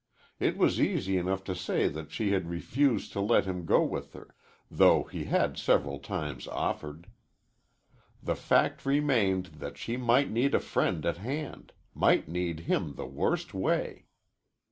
It was easy enough to say that she had refused to let him go with her, though he had several times offered. The fact remained that she might need a friend at hand, might need him the worst way.